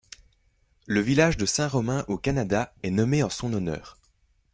Le village de Saint-Romain au Canada est nommé en son honneur.